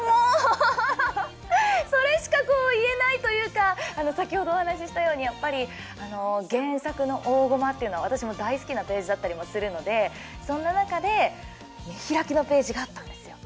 それしかこう言えないというか先ほどお話ししたようにやっぱり原作の大ゴマっていうのは私も大好きなページだったりもするのでそんななかで見開きのページがあったんですよ。